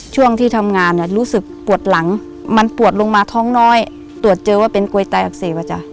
ช่วงที่ทำงานเนี่ยรู้สึกปวดหลังมันปวดลงมาท้องน้อยตรวจเจอว่าเป็นกลวยตายอักเสบอ่ะจ้ะ